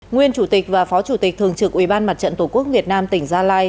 nguyên chủ tịch và phó chủ tịch thường trực ủy ban mặt trận tổ quốc việt nam tỉnh gia lai